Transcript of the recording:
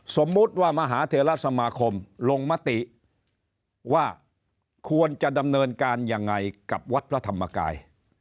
สมมุติว่ามหาเทลสมาคมลงมติว่าควรจะดำเนินการยังไงกับวัดพระธรรมกาย